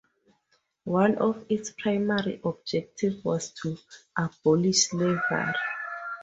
One of its primary objectives was to abolish slavery.